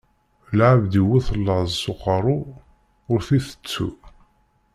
Lɛebd yewwet laẓ s aqeṛṛu, ur t-itettu.